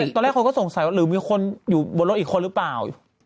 ตอนแรกคนก็สงสัยว่าหรือมีคนอยู่บนรถอีกคนหรือเปล่า